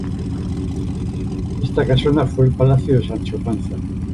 Esta casona fue el Palacio de Sancho Panza.